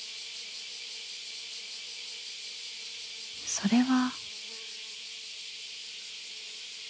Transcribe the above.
それは。